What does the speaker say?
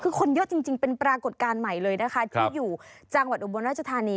คือคนเยอะจริงเป็นปรากฏการณ์ใหม่เลยนะคะที่อยู่จังหวัดอุบลราชธานี